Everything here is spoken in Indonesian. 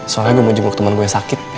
soalnya gue mau jemput temen gue yang sakit